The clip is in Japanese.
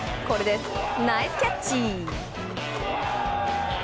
これです。